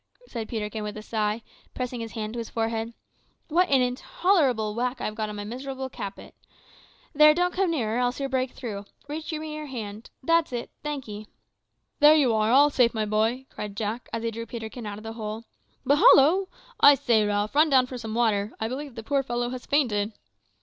said Peterkin with a sigh, pressing his hand to his forehead; "what an intolerable whack I have got on my miserable caput. There; don't come nearer, else you'll break through. Reach me your hand. That's it; thank'ee." "There you are, all safe, my boy," cried Jack, as he drew Peterkin out of the hole. "But hollo! I say, Ralph, run down for some water; I believe the poor fellow has fainted."